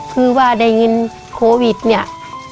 คือว่าได้เงินโควิดเนี่ย